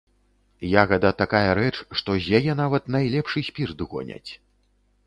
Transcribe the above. Ягада такая рэч, што з яе нават найлепшы спірт гоняць.